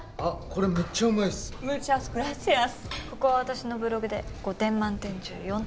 ここは私のブログで５点満点中４点なんで。